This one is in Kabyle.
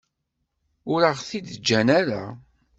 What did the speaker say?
Ur aɣ-t-id-ǧǧan ara.